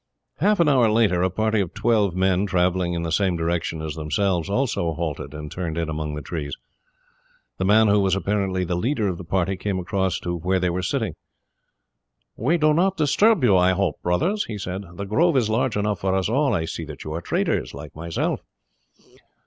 Half an hour later a party of twelve men, travelling in the same direction as themselves, also halted and turned in among the trees. The man who was apparently the leader of the party came across to where they were sitting. "We do not disturb you, I hope, brothers?" he said. "The grove is large enough for us all. I see that you are traders, like myself."